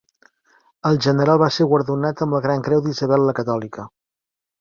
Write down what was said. El General va ser guardonat amb la Gran Creu d'Isabel la Catòlica.